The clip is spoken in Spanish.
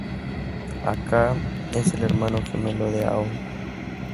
Aka: Es el hermano gemelo de Ao.